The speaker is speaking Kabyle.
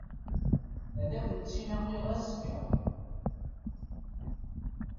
Ad akent-tt-in-awiɣ azekka.